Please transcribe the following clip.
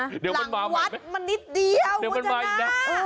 หลังวัดมันนิดเดียวมันจะหน้า